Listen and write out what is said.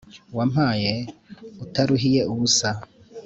wampaye utaruhiye ubusa”